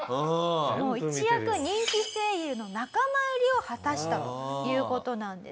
もう一躍人気声優の仲間入りを果たしたという事なんです。